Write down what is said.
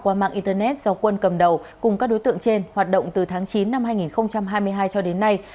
qua mạng internet do quân cầm đầu cùng các đối tượng trên hoạt động từ tháng chín năm hai nghìn hai mươi hai cho đến nay